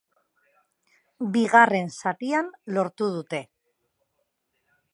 Bigarren zatian lortu dute.